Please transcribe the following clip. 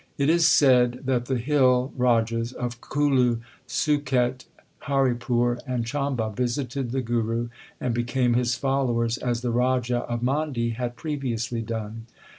It is said that the hill rajas of Kulu, Suket, Haripur and Chamba visited the Guru, and became his followers, as the Raja of Mandi had previously done.